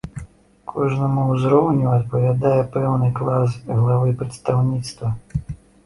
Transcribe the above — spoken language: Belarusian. Кожнаму ўзроўню адпавядае пэўны клас главы прадстаўніцтва.